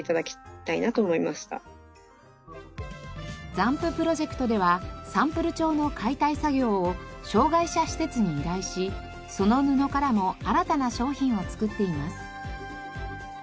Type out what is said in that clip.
ＺＡＭＰＵＰＲＯＪＥＣＴではサンプル帳の解体作業を障害者施設に依頼しその布からも新たな商品を作っています。